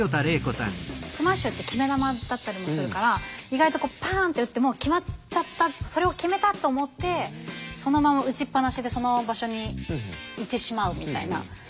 スマッシュって決め球だったりもするから意外とこうパンって打ってもう決まっちゃったそれを決めたと思ってそのまま打ちっぱなしでその場所にいてしまうみたいな。